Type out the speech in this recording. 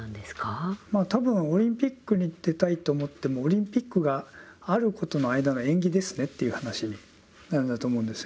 多分オリンピックに出たいと思ってもオリンピックがあることの間の縁起ですねっていう話なんだと思うんですよね。